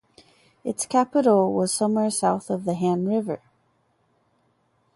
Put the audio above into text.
Its capital was somewhere south of the Han River.